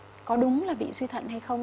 nào có đúng là bị suy thận hay không